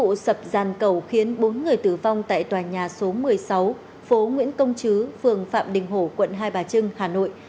vụ sập giàn cầu khiến bốn người tử vong tại tòa nhà số một mươi sáu phố nguyễn công chứ phường phạm đình hổ quận hai bà trưng hà nội